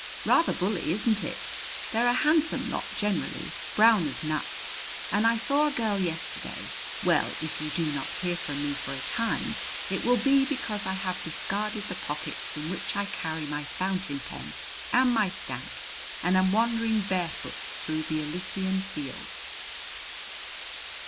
Rather bully, isn't it? They're a handsome lot generally, brown as nuts. And I saw a girl yesterday well, if you do not hear from me for a time it will be because I have discarded the pockets in which I carry my fountain pen and my stamps and am wandering barefoot through the Elysian fields.